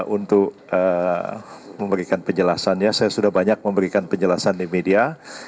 untuk memberikan penjelasannya saya sudah banyak memberikan penjelasan di media